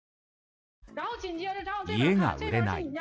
家が売れない。